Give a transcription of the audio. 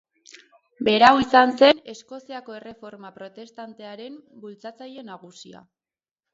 Berau izan zen Eskoziako Erreforma Protestantearen bultzatzaile nagusia.